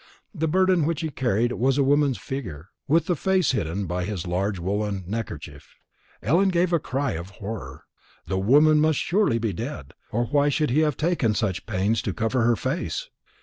The burden which he carried was a woman's figure, with the face hidden by his large woollen neckerchief. Ellen gave a cry of horror. The woman must surely be dead, or why should he have taken such pains to cover her face?